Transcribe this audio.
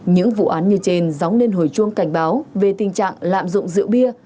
những vụ án như trên gióng lên hồi chuông cảnh báo về tình trạng lạm dụng rượu bia